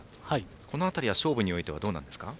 この辺りは勝負においてどうなんですか？